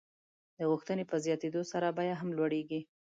د غوښتنې په زیاتېدو سره بیه هم لوړېږي.